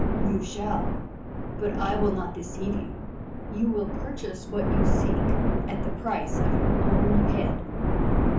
"You shall. But I will not deceive you. You will purchase what you seek at the price of your own head."